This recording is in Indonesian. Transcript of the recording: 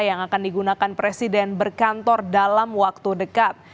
yang akan digunakan presiden berkantor dalam waktu dekat